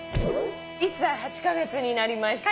１歳８カ月になりまして。